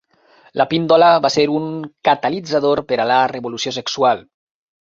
La píndola va ser un catalitzador per a la revolució sexual.